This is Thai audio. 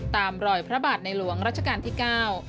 ตามรอยพระบาทในหลวงรัชกาลที่เก้า